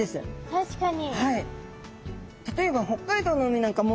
確かに。